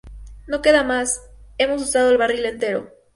¡ No quedan más! ¡ hemos usado el barril entero!